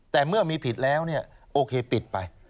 แต่เมื่อมีผิดแล้วเนี่ยโอเคปิดไป